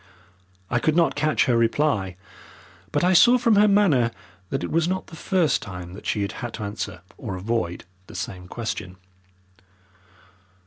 I could not catch her reply, but I saw from her manner that it was not the first time that she had had to answer or avoid the same question.